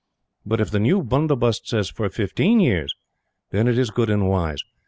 But if the new bundobust says for FIFTEEN years, then it is good and wise.